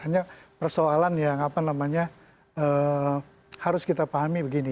hanya persoalan yang apa namanya harus kita pahami begini